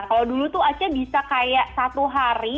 kalau dulu tuh aceh bisa kayak satu hari